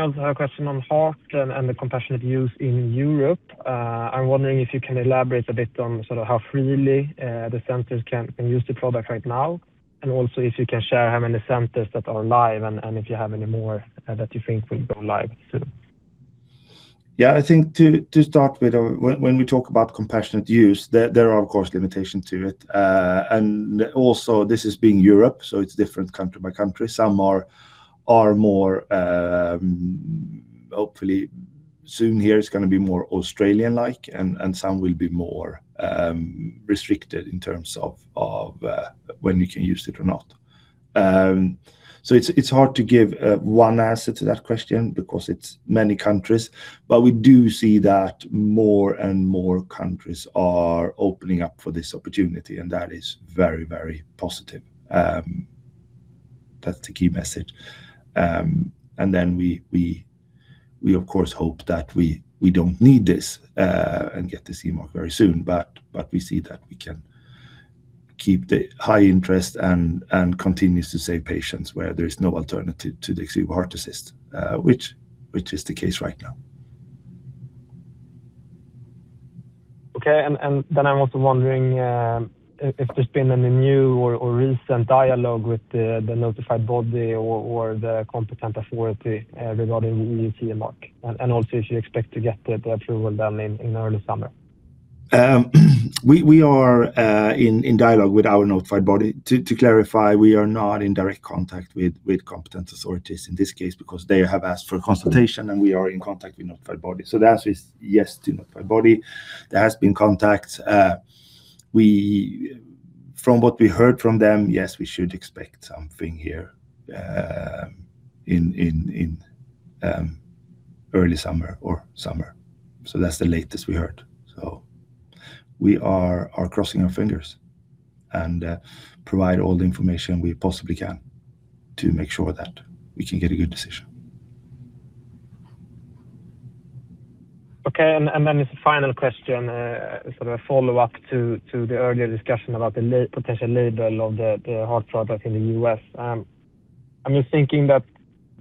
also have a question on heart and the compassionate use in Europe. I'm wondering if you can elaborate a bit on sort of how freely the centers can use the product right now, and also if you can share how many centers that are live and if you have any more that you think will go live soon. Yeah, I think to start with, when we talk about compassionate use, there are, of course, limitations to it. Also this is in Europe, so it's different country by country. Hopefully, soon here it's going to be more Australian-like, and some will be more restricted in terms of when you can use it or not. It's hard to give one answer to that question because it's many countries. We do see that more and more countries are opening up for this opportunity, and that is very positive. That's the key message. We, of course, hope that we don't need this and get the CE mark very soon. We see that we can keep the high interest and continues to save patients where there is no alternative to the XVIVO Heart Assist, which is the case right now. Okay. I'm also wondering if there's been any new or recent dialogue with the notified body or the competent authority regarding EU CE mark, and also if you expect to get the approval done in early summer? We are in dialogue with our notified body. To clarify, we are not in direct contact with competent authorities in this case because they have asked for a consultation, and we are in contact with the notified body. The answer is yes to notified body. There has been contact. From what we heard from them, yes, we should expect something here in early summer or summer. That's the latest we heard. We are crossing our fingers and provide all the information we possibly can to make sure that we can get a good decision. Okay, this final question, sort of a follow-up to the earlier discussion about the potential label of the heart product in the U.S. I'm just thinking that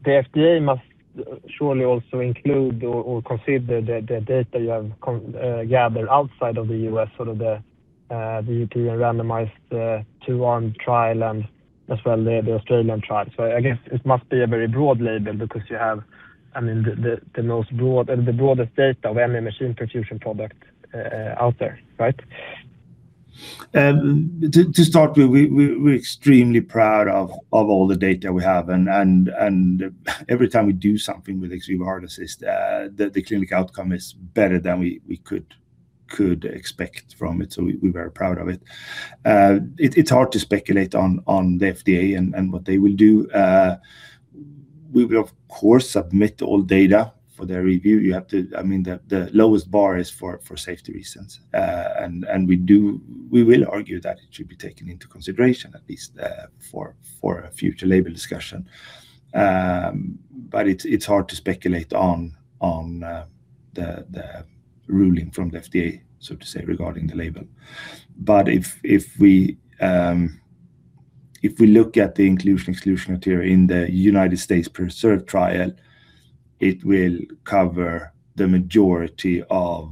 the FDA must surely also include or consider the data you have gathered outside of the U.S., sort of the European randomized two-arm trial and as well the Australian trial. I guess it must be a very broad label because you have the broadest data of any machine perfusion product out there, right? To start with, we're extremely proud of all the data we have. Every time we do something with XVIVO Heart Assist Transport, the clinical outcome is better than we could expect from it. We're very proud of it. It's hard to speculate on the FDA and what they will do. We will of course submit all data for their review. The lowest bar is for safety reasons. We will argue that it should be taken into consideration at least for a future label discussion. It's hard to speculate on the ruling from the FDA, so to say, regarding the label. If we look at the inclusion/exclusion criteria in the United States PRESERVE trial, it will cover the majority of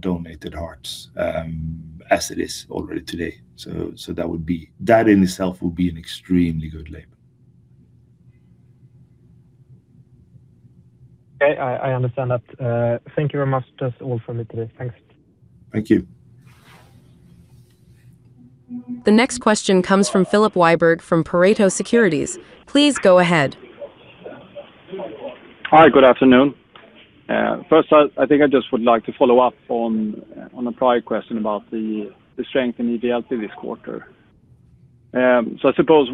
donated hearts as it is already today. That in itself would be an extremely good label. Okay. I understand that. Thank you very much. That's all from me today. Thanks. Thank you. The next question comes from Filip Wiberg from Pareto Securities. Please go ahead. Hi, good afternoon. First, I think I just would like to follow up on a prior question about the strength in EVLP this quarter. I suppose,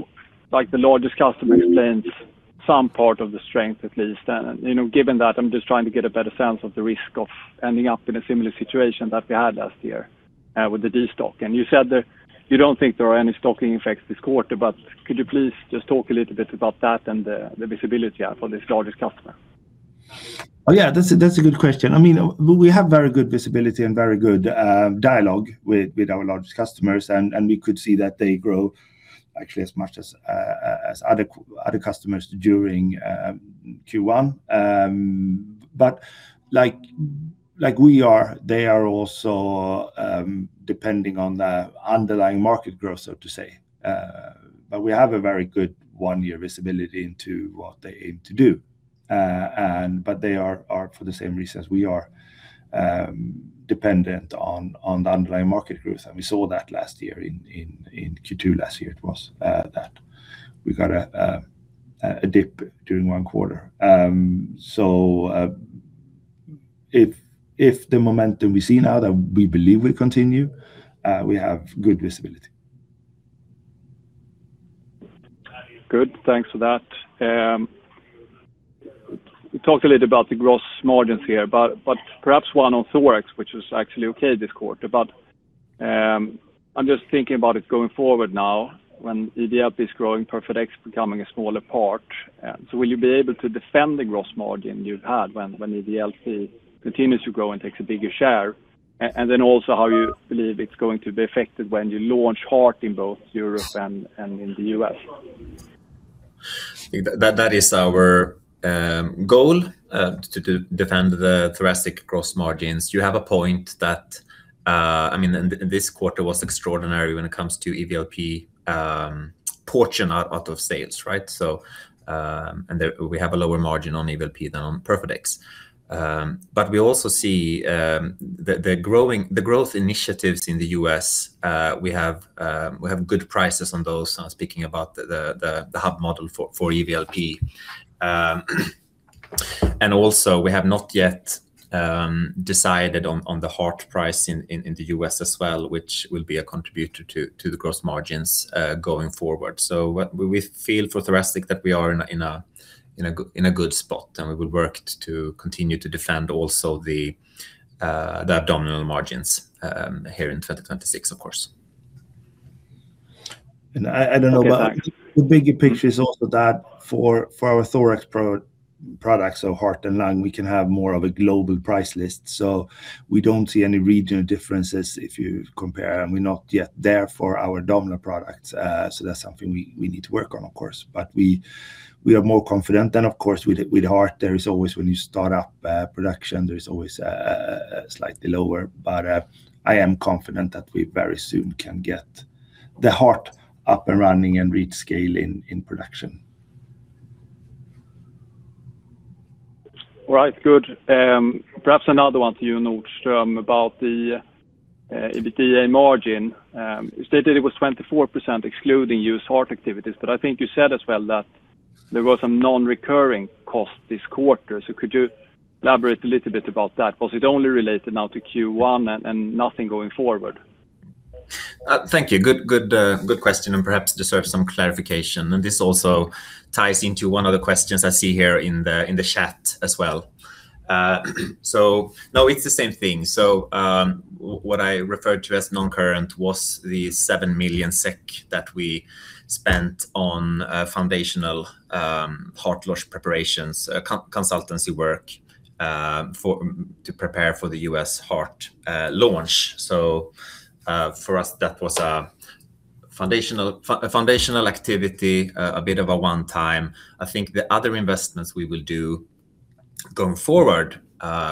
like the largest customer explains some part of the strength at least. Given that, I'm just trying to get a better sense of the risk of ending up in a similar situation that we had last year with the destock. You said that you don't think there are any stocking effects this quarter, but could you please just talk a little bit about that and the visibility for this largest customer? Oh, yeah. That's a good question. We have very good visibility and very good dialogue with our largest customers, and we could see that they grow actually as much as other customers during Q1. Like we are, they are also depending on the underlying market growth, so to say. We have a very good one-year visibility into what they aim to do. They are, for the same reasons we are, dependent on the underlying market growth. We saw that last year in Q2 last year. It was that we got a dip during one quarter. If the momentum we see now that we believe will continue, we have good visibility. Good. Thanks for that. We talked a little about the gross margins here, but perhaps one on thorax, which was actually okay this quarter. I'm just thinking about it going forward now when EVLP is growing, Perfadex becoming a smaller part. Will you be able to defend the gross margin you've had when EVLP continues to grow and takes a bigger share? How you believe it's going to be affected when you launch heart in both Europe and in the U.S. That is our goal, to defend the thoracic gross margins. You have a point that this quarter was extraordinary when it comes to EVLP portion out of sales, right? We have a lower margin on EVLP than on Perfadex. We also see the growth initiatives in the U.S. We have good prices on those. I'm speaking about the hub model for EVLP. Also we have not yet decided on the heart price in the U.S. as well, which will be a contributor to the gross margins going forward. What we feel for thoracic, that we are in a good spot, and we will work to continue to defend also the abdominal margins here in 2026, of course. I don't know, but the bigger picture is also that for our thorax products or heart and lung, we can have more of a global price list. We don't see any regional differences if you compare, and we're not yet there for our abdominal products. That's something we need to work on, of course. We are more confident. Of course, with heart, when you start up production, there is always slightly lower. I am confident that we very soon can get the heart up and running and reach scale in production. All right, good. Perhaps another one to you, Nordström, about the EBITDA margin. You stated it was 24% excluding used heart activities, but I think you said as well that there was some non-recurring costs this quarter. Could you elaborate a little bit about that? Was it only related now to Q1 and nothing going forward? Thank you. Good question, and perhaps deserves some clarification. This also ties into one of the questions I see here in the chat as well. No, it's the same thing. What I referred to as non-current was the 7 million SEK that we spent on foundational heart logistics preparations consultancy work to prepare for the U.S. heart launch. For us, that was a foundational activity, a bit of a one-time. I think the other investments we will do going forward,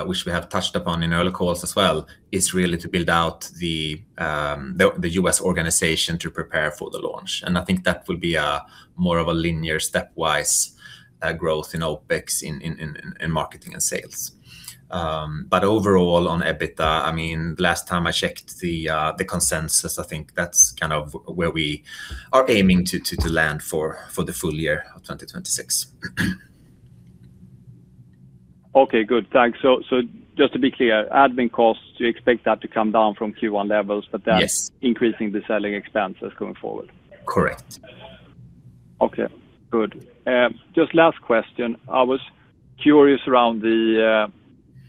which we have touched upon in earlier calls as well, is really to build out the U.S. organization to prepare for the launch. I think that will be more of a linear stepwise growth in OpEx in marketing and sales. Overall, on EBITDA, last time I checked the consensus, I think that's kind of where we are aiming to land for the full year of 2026. Okay, good. Thanks. Just to be clear, admin costs, you expect that to come down from Q1 levels? Yes Increasing the selling expenses going forward? Correct. Okay, good. Just last question. I was curious around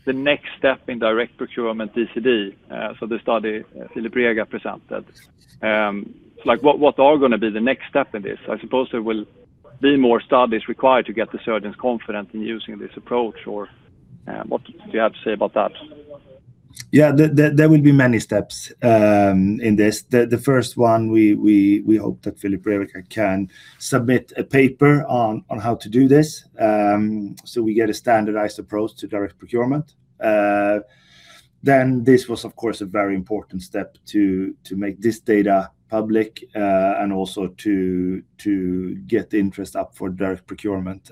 the next step in direct procurement DCD, so the study Philip Braga presented. What are going to be the next step in this? I suppose there will be more studies required to get the surgeons confident in using this approach, or what do you have to say about that? Yeah, there will be many steps in this. The first one, we hope that Philip Braga can submit a paper on how to do this, so we get a standardized approach to direct procurement. This was, of course, a very important step to make this data public and also to get the interest up for direct procurement.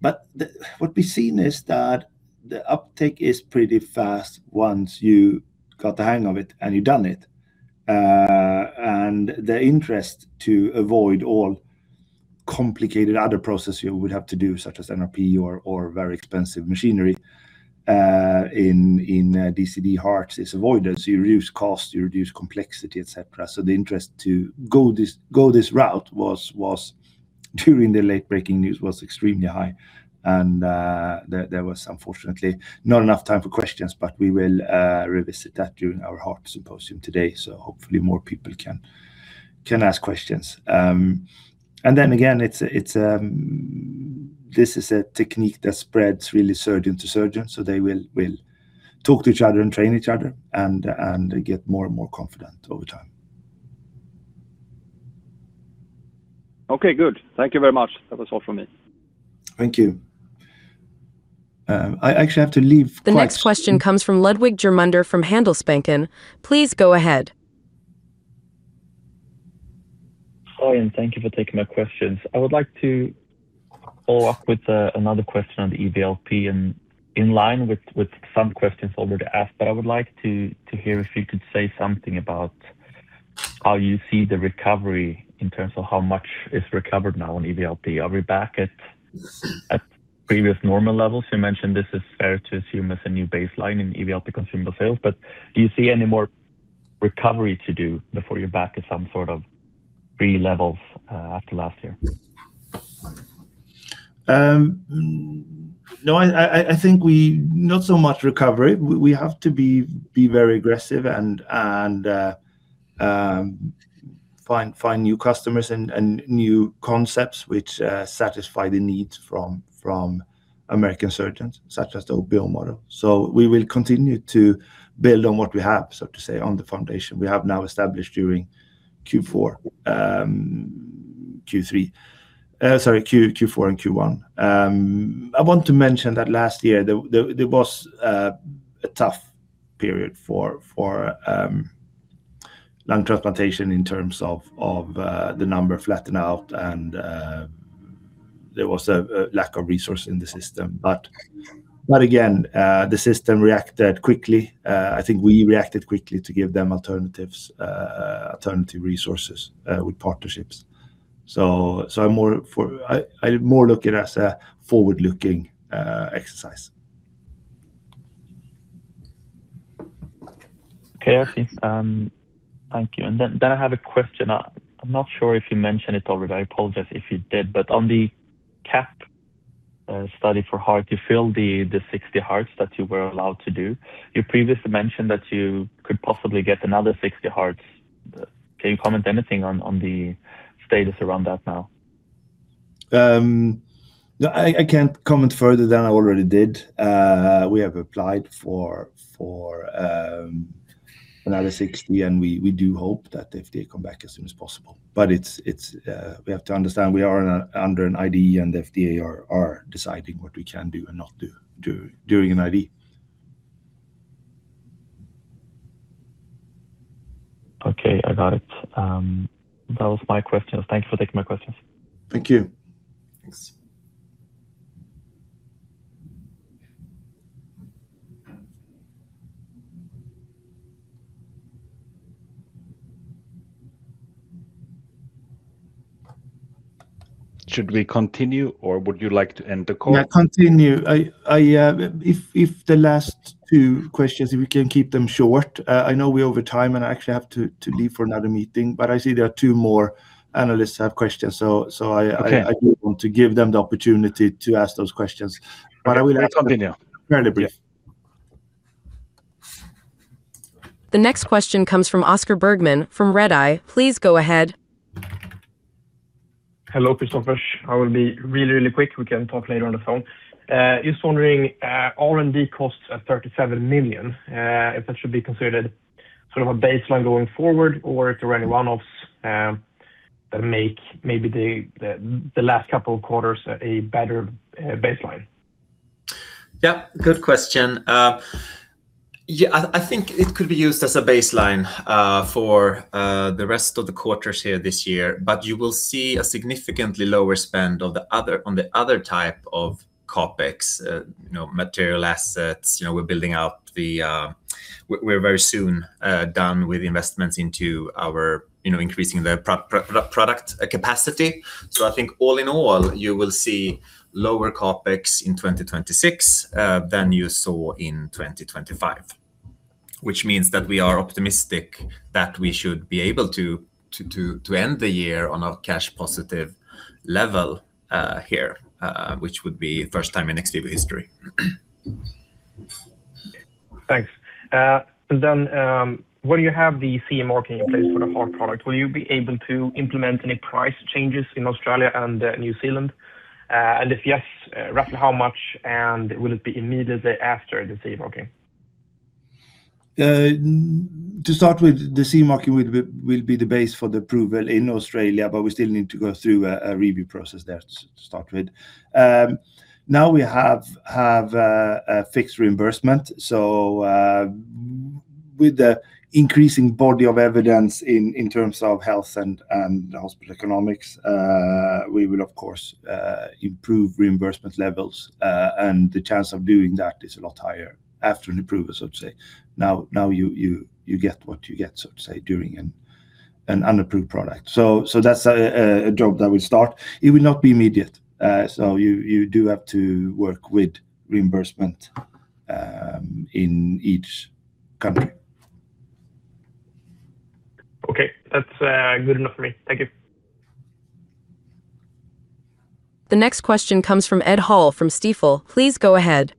What we've seen is that the uptake is pretty fast once you got the hang of it and you've done it. The interest to avoid all complicated other processes you would have to do, such as NRP or very expensive machinery, in DCD hearts is avoided. You reduce cost, you reduce complexity, et cetera. The interest to go this route was, during the late breaking news, extremely high. There was unfortunately not enough time for questions, but we will revisit that during our heart symposium today, so hopefully more people can ask questions. Then again, this is a technique that spreads really surgeon to surgeon, so they will talk to each other and train each other and get more and more confident over time. Okay, good. Thank you very much. That was all from me. Thank you. I actually have to leave quite. The next question comes from Ludwig Germunder from Handelsbanken. Please go ahead. Hi, and thank you for taking my questions. I would like to follow up with another question on the EVLP and in line with some questions already asked. I would like to hear if you could say something about how you see the recovery in terms of how much is recovered now on EVLP. Are we back at previous normal levels? You mentioned this is fair to assume as a new baseline in EVLP consumable sales. Do you see any more recovery to do before you're back at some sort of pre-levels, after last year? No, I think not so much recovery. We have to be very aggressive and find new customers and new concepts which satisfy the needs from American surgeons, such as the OPO model. We will continue to build on what we have, so to speak, on the foundation we have now established during Q4 and Q1. I want to mention that last year, there was a tough period for lung transplantation in terms of the numbers flattened out and there was a lack of resources in the system. Again, the system reacted quickly. I think we reacted quickly to give them alternative resources with partnerships. I more look at it as a forward-looking exercise. Okay, I see. Thank you. I have a question. I'm not sure if you mentioned it already. I apologize if you did, but on the CAP study for heart, you filled the 60 hearts that you were allowed to do. You previously mentioned that you could possibly get another 60 hearts. Can you comment anything on the status around that now? No, I can't comment further than I already did. We have applied for another 60, and we do hope that FDA come back as soon as possible. We have to understand, we are under an IDE, and FDA are deciding what we can do and not do during an IDE. I got it. Those are my questions. Thank you for taking my questions. Thank you. Thanks. Should we continue or would you like to end the call? Yeah, continue. If the last two questions, we can keep them short. I know we're over time, and I actually have to leave for another meeting, but I see there are two more analysts who have questions. Okay. I do want to give them the opportunity to ask those questions. I will ask Let's continue. Fairly brief. The next question comes from Oscar Bergman from Redeye. Please go ahead. Hello, Kristoffer. I will be really, really quick. We can talk later on the phone. Just wondering, R&D costs are 37 million, if that should be considered sort of a baseline going forward, or if there are any one-offs that make maybe the last couple of quarters a better baseline? Yeah, good question. I think it could be used as a baseline for the rest of the quarters here this year, but you will see a significantly lower spend on the other type of CapEx, material assets. We're very soon done with investments into increasing the product capacity. I think all in all, you will see lower CapEx in 2026 than you saw in 2025. Which means that we are optimistic that we should be able to end the year on a cash positive level here, which would be first time in XVIVO history. Thanks. When you have the CE marking in place for the heart product, will you be able to implement any price changes in Australia and New Zealand? If yes, roughly how much, and will it be immediately after the CE marking? To start with, the CE mark will be the base for the approval in Australia, but we still need to go through a review process there to start with. Now we have a fixed reimbursement, so with the increasing body of evidence in terms of health and hospital economics, we will of course, improve reimbursement levels, and the chance of doing that is a lot higher after an approval, so to say. Now you get what you get, so to say, during an unapproved product. That's a job that will start. It will not be immediate. You do have to work with reimbursement in each country. Okay. That's good enough for me. Thank you. The next question comes from Edward Hall from Stifel. Please go ahead.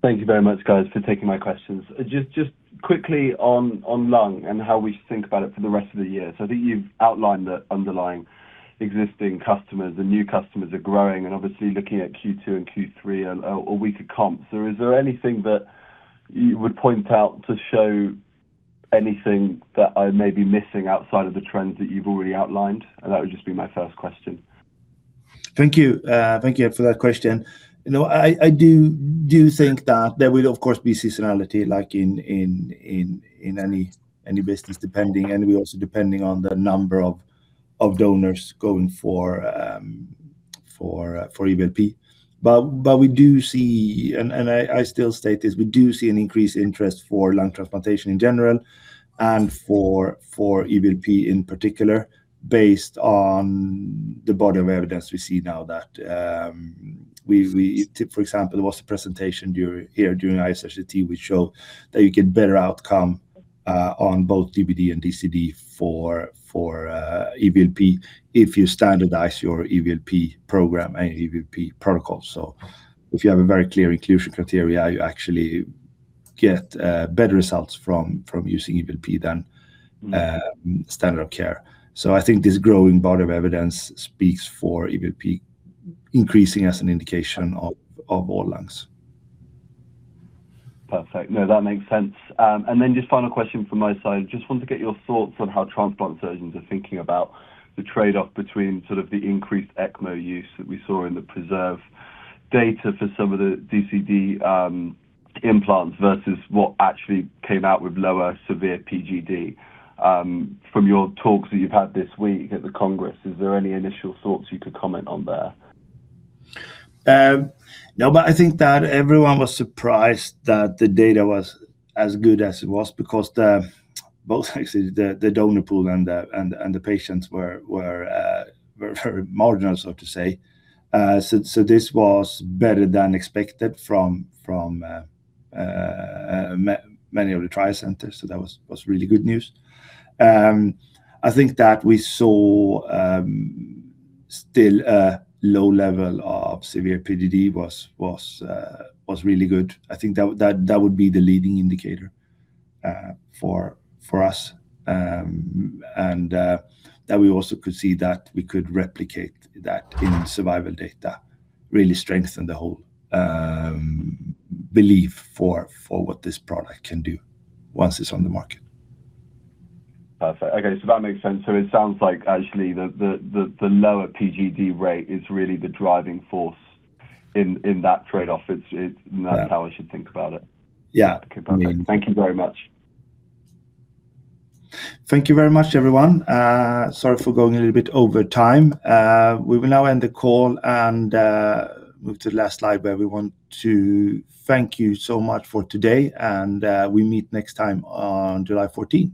Thank you very much, guys, for taking my questions. Just quickly on lung and how we should think about it for the rest of the year. I think you've outlined the underlying existing customers. The new customers are growing, and obviously looking at Q2 and Q3 are weaker comps. Is there anything that you would point out to show anything that I may be missing outside of the trends that you've already outlined? That would just be my first question. Thank you. Thank you, Ed, for that question. I do think that there will, of course, be seasonality like in any business, and also depending on the number of donors going for EVLP. I still state this, we do see an increased interest for lung transplantation in general and for EVLP in particular, based on the body of evidence we see now, for example, there was a presentation here during ISHLT, which show that you get better outcome on both DBD and DCD for EVLP if you standardize your EVLP program and EVLP protocol. If you have a very clear inclusion criteria, you actually get better results from using EVLP than standard of care. I think this growing body of evidence speaks for EVLP increasing as an indication of all lungs. Perfect. No, that makes sense. Just final question from my side. Just want to get your thoughts on how transplant surgeons are thinking about the trade-off between sort of the increased ECMO use that we saw in the PRESERVE data for some of the DCD implants versus what actually came out with lower severe PGD. From your talks that you've had this week at the Congress, is there any initial thoughts you could comment on there? No, I think that everyone was surprised that the data was as good as it was because the donor pool and the patients were very marginal, so to say. This was better than expected from many of the trial centers, so that was really good news. I think that we saw still a low level of severe PGD was really good. I think that would be the leading indicator for us, and that we also could see that we could replicate that in survival data, really strengthen the whole belief for what this product can do once it's on the market. Perfect. Okay. That makes sense. It sounds like actually the lower PGD rate is really the driving force in that trade-off. Yeah. That's how I should think about it. Yeah. Okay, perfect. Thank you very much. Thank you very much, everyone. Sorry for going a little bit over time. We will now end the call and move to the last slide where we want to thank you so much for today, and we meet next time on July 14th.